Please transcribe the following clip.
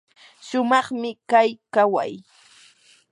shumaqmi kay kaway.